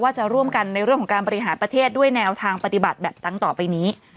จะร่วมกันในเรื่องของการบริหารประเทศด้วยแนวทางปฏิบัติแบบตั้งต่อไปนี้